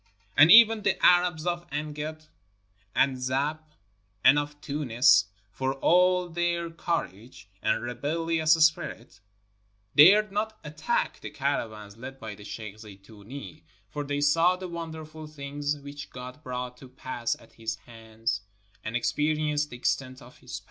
And even the Arabs of Angad and the Zab and of Tunis, for all their courage and rebellious spirit, dared not attack the caravans led by the sheikh Zeetoonee, for they saw the wonderful things which God brought to pass at his hands and ex perienced the extent of his power.